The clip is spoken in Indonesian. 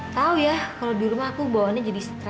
tau ya kalau di rumah aku bawanya jadi serangga